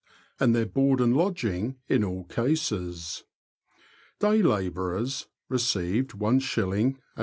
and their board and lodging in all cases. Day labourers received is. id.